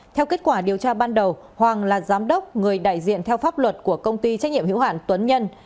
theo kết quả điều tra ban đầu hoàng là giám đốc người đại diện theo pháp luật của công ty trách nhiệm hữu hạn tuấn nhân